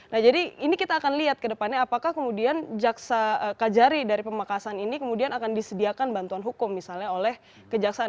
nah jadi ini kita akan lihat ke depannya apakah kemudian jaksa kajari dari pemekasan ini kemudian akan disediakan bantuan hukum misalnya oleh kejaksaan